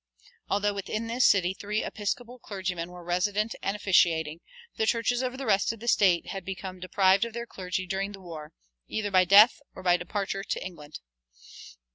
Although within this city three Episcopal clergymen were resident and officiating, the churches over the rest of the State had become deprived of their clergy during the war, either by death or by departure for England.